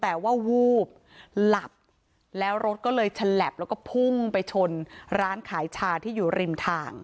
แต่ว่าวูบหลับแล้วรถก็เลยฉลับแล้วก็พุ่งไปชนร้านขายชาที่อยู่ริมทาง